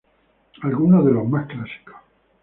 Algunos de los más clásicos